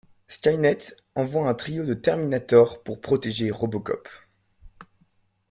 Skynet envoie un trio de Terminators pour protéger RoboCop.